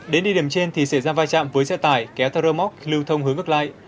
đến địa điểm trên thì xảy ra vai trạm với xe tải kéo theo rơ móc lưu thông hướng ngược lại